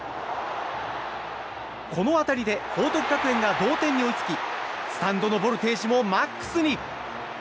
この当たりで報徳学園が同点に追いつきスタンドのボルテージもマックスに。